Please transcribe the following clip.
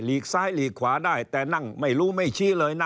ซ้ายหลีกขวาได้แต่นั่งไม่รู้ไม่ชี้เลยนะ